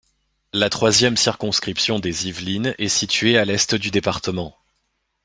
La troisième circonscription des Yvelines est située à l'est du département.